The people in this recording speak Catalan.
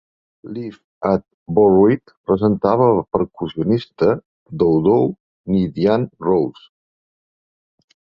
"Live at Vooruit" presentava el percussionista Doudou N'Diaye Rose.